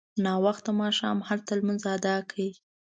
ناوخته ماښام هلته لمونځ اداء کړ.